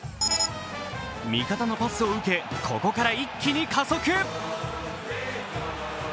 味方のパスを受け、ここから一気に加速！